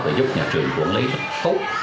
để giúp nhà trường quản lý tốt